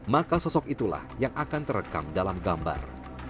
maka sosok itulah yang akan terekam dalam gambar